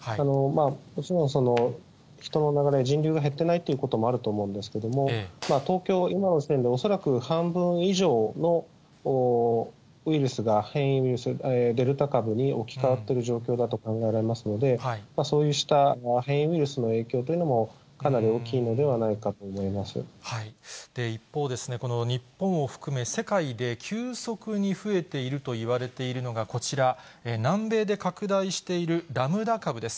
もちろん人の流れ、人流が減ってないということもあると思うんですけども、東京、今の時点で恐らく半分以上のウイルスが変異ウイルス、デルタ株に置き換わっている状況だと考えられますので、そうした変異ウイルスの影響というのもかなり大きいのではないかと思いま一方ですね、日本を含め、世界で急速に増えているといわれているのが、こちら、南米で拡大しているラムダ株です。